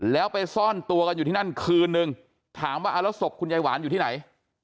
แล้วไปซ่อนตัวกันอยู่ที่นั่นคืนนึงถามว่าเอาแล้วศพคุณยายหวานอยู่ที่ไหน